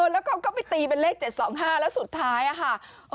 แล้วเขาก็ไปตีเป็นเลข๗๒๕แล้วสุดท้ายค่ะ